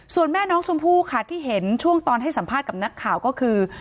ส่วนแม่น้องชมพู่ค่ะที่เห็นช่วงตอนให้สัมภาษณ์กับนักข่าวก็คือ